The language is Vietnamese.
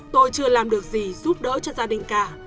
tôi chưa làm được gì giúp đỡ cho gia đình cả